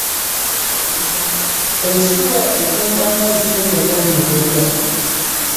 Ensuwa ekuuma amazzi nga gannyogoga.